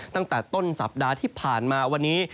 ตั้งแต่ต้นสัปดาห์ที่ผ่านมาวันนี้